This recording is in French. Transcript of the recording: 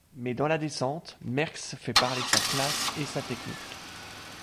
Mais dans la descente, Merckx fait parler sa classe et sa technique.